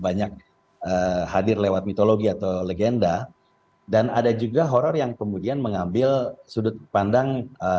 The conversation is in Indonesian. banyak hadir lewat mitologi atau legenda dan ada juga horror yang kemudian mengambil sudut pandang